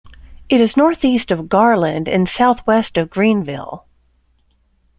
It is northeast of Garland and southwest of Greenville.